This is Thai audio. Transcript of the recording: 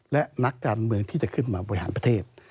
และนักการเมืองที่จะขึ้นมาบริหารประเทศ